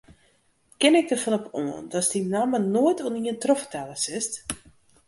Kin ik derfan op oan datst dy namme noait oan ien trochfertelle silst?